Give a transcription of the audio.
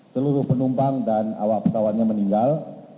seluruh penumpang dan awak pesawatnya meninggal